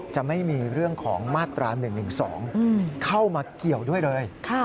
จะไม่มีเรื่องของมาตรา๑๑๒เข้ามาเกี่ยวด้วยเลย